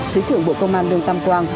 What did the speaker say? thứ trưởng bộ công an lương tâm quang